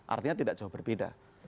artinya tidak jauh berbeda